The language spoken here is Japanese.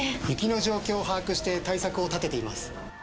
雪の状況を把握して対策を立てています。